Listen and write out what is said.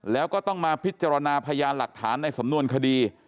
แล้วก็ต้องมาพิจารณาพยานหลักฐานในสำนวนคดี